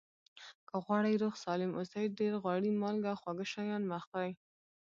که غواړئ روغ سالم اوسئ ډېر غوړي مالګه خواږه شیان مه خوری